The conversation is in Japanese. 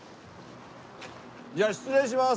じゃあ失礼します。